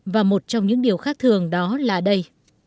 và một trong những điều khác thường đó là đây